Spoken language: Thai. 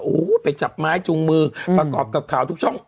ก้มหน้ากาลน้ำหลายจูงมือประกอบกับข่าวทุกช่อง